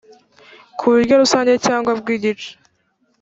Ku buryo rusange cyangwa bw igice